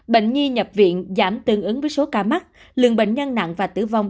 bệnh nhi nhập viện giảm tương ứng với số ca mắc lượng bệnh nhân nặng và tử vong